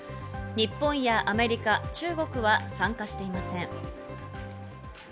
日本やアメリカ、中国は参加していません。